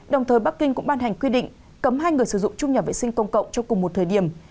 đồng thời bắc kinh cũng ban hành quy định cấm hai người sử dụng chung nhà vệ sinh công cộng trong cùng một thời điểm